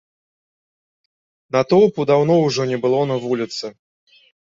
Натоўпу даўно ўжо не было на вуліцы.